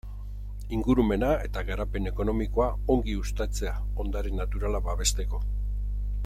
Ingurumena eta garapen ekonomikoa ongi uztatzea, ondare naturala babesteko.